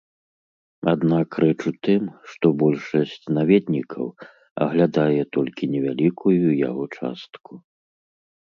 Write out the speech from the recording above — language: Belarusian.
Аднак рэч у тым, што большасць наведнікаў аглядае толькі невялікую яго частку.